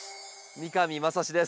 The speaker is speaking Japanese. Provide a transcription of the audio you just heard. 三上真史です。